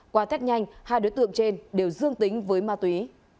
qua tết nhanh hai đối tượng trên đều dương tính với ma túy